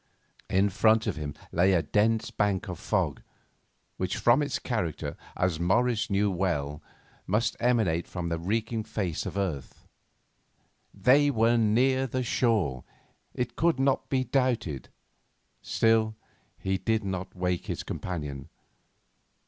In front of him lay a dense bank of fog, which, from its character, as Morris knew well, must emanate from the reeking face of earth. They were near shore, it could not be doubted; still, he did not wake his companion.